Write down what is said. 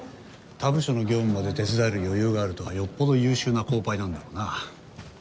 他部署の業務まで手伝える余裕があるとはよっぽど優秀なコーパイなんだろうな。